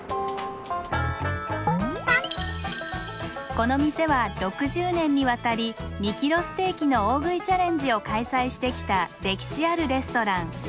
この店は６０年にわたり２キロステーキの大食いチャレンジを開催してきた歴史あるレストラン。